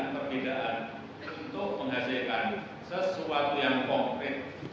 perbedaan untuk menghasilkan sesuatu yang konkret